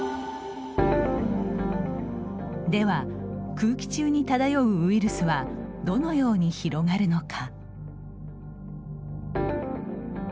では、空気中に漂うウイルスはどのように広がるのか。